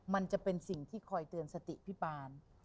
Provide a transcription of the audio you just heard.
มันจะเป็นสิ่งที่คอยเตือนสติพี่ปาน